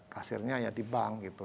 kasirnya ya di bank gitu